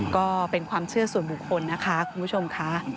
ก็เป็นความเชื่อส่วนบุคคลนะคะคุณผู้ชมค่ะ